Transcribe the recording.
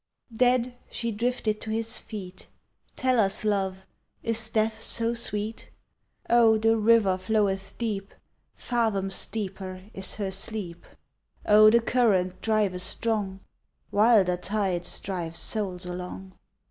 Dead, she drifted to his feet. Tell us, Love, is Death so sweet? Oh! the river floweth deep. Fathoms deeper is her sleep. Oh! the current driveth strong. Wilder tides drive souls along.